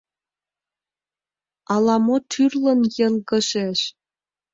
Ала-мо тӱрлын йылгыжеш!